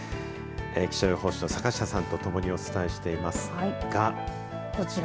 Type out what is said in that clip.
気象予報士の坂下さんとともにお伝えしていますがこちら